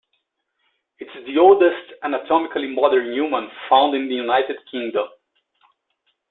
It is the oldest anatomically modern human found in the United Kingdom.